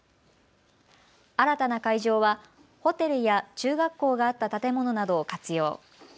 新たな会場はホテルや中学校があった建物などを活用。